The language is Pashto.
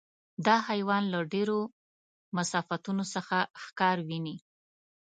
دا حیوان له ډېرو مسافتونو څخه ښکار ویني.